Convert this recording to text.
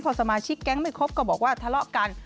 พอสมาชิกแก๊งไม่ครบก็บอกว่าทะเลาะกัน